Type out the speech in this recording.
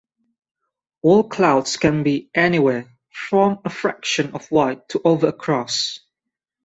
Wall clouds can be anywhere from a fraction of wide to over across.